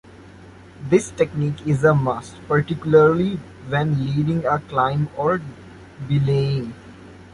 This technique is a must particularly when leading a climb or belaying.